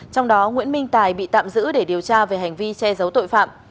trong đó nguyễn minh tài bị tạm giữ để điều tra về hành vi che giấu tội phạm